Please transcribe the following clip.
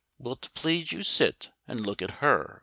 Will't please you sit and look at her?